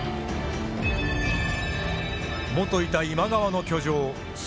元いた今川の居城駿